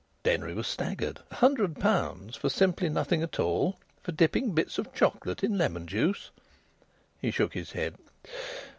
Denry was staggered. A hundred pounds for simply nothing at all for dipping bits of chocolate in lemon juice! He shook his head.